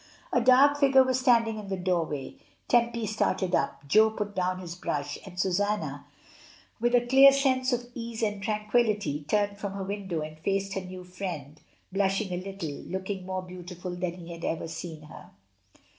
A dark figure was standing in the doorway. Tempy started up, Jo put down his brush, and Susanna, with a sudden sense of ease and tran quillity, turned from her window and faced her new friend, blushing a little, looking more beautiful than he had ever seen her.